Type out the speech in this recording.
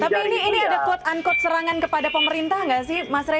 tapi ini ada kode uncode serangan kepada pemerintah nggak sih mas rey